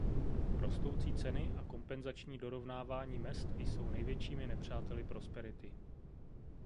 Rostoucí ceny a kompenzační dorovnávání mezd jsou největšími nepřáteli prosperity.